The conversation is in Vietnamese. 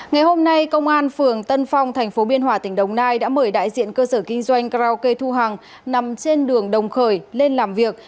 ngày hôm nay công an phường tân phong tp biên hòa tỉnh đồng nai đã mời đại diện cơ sở kinh doanh karaoke thu hằng nằm trên đường đồng khởi lên làm việc